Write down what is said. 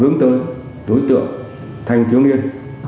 hướng tới đối tượng thanh thiếu niên